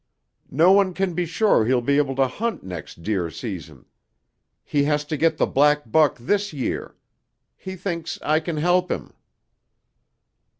No one can be sure he'll be able to hunt next deer season. He has to get the black buck this year. He thinks I can help him."